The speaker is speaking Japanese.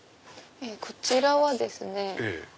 こちらはですね。